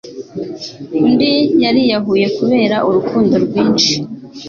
Undi yariyahuye kubera urukundo rwinshi